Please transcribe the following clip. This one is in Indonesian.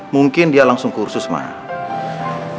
mungkin dia langsung kursus maya